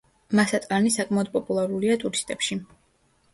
მასატლანი საკმაოდ პოპულარულია ტურისტებში.